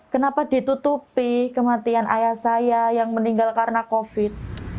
kenapa ditutupi kematian ayah saya yang meninggal karena covid